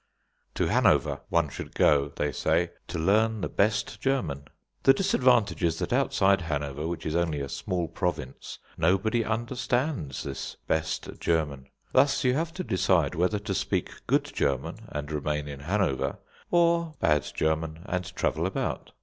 To Hanover one should go, they say, to learn the best German. The disadvantage is that outside Hanover, which is only a small province, nobody understands this best German. Thus you have to decide whether to speak good German and remain in Hanover, or bad German and travel about.